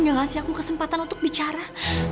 nyolasi aku kesempatan untuk bicara